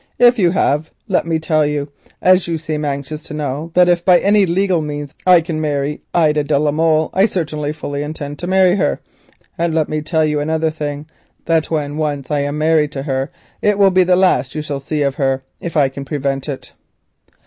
If you have, let me tell you, as you seem anxious to know my mind, that if by any legal means I can marry Ida de la Molle I certainly intend to marry her. And let me tell you another thing, that when once I am married it will be the last that you shall see of her, if I can prevent it."